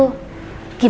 emaknya udah nyokap